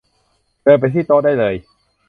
เดินไปที่โต๊ะได้เลย